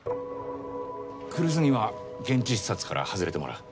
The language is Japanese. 来栖には現地視察から外れてもらう。